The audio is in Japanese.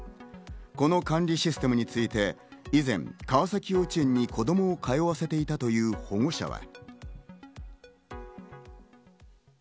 この管理システムについて以前、川崎幼稚園に子供を通わせていたという保護者は。